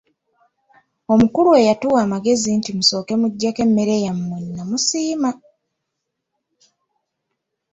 Omukulu eyatuwa amagezi nti musooke muggyeko emmere yammwe nnamusiima.